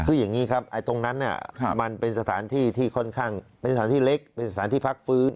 คืออย่างนี้ครับตรงนั้นมันเป็นสถานที่ที่ค่อนข้างเป็นสถานที่เล็กเป็นสถานที่พักฟื้น